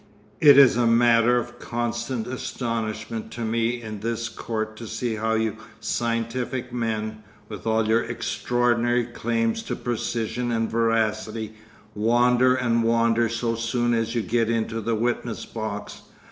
It is a matter of constant astonishment to me in this court to see how you scientific men, with all your extraordinary claims to precision and veracity, wander and wander so soon as you get into the witness box.